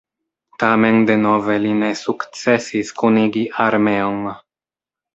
Tamen denove li ne sukcesis kunigi armeon.